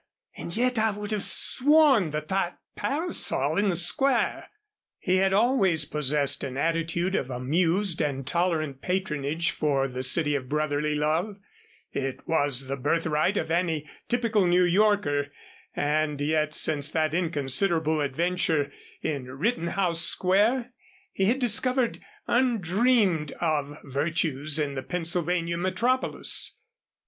And yet I would have sworn that that parasol in the Square " He had always possessed an attitude of amused and tolerant patronage for the City of Brotherly Love it was the birthright of any typical New Yorker and yet since that inconsiderable adventure in Rittenhouse Square, he had discovered undreamed of virtues in the Pennsylvania metropolis.